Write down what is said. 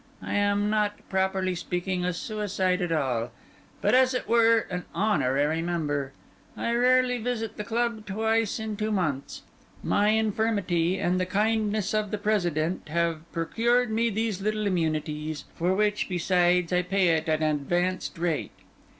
I am not, properly speaking, a suicide at all; but, as it were, an honorary member. I rarely visit the club twice in two months. My infirmity and the kindness of the President have procured me these little immunities, for which besides I pay at an advanced rate.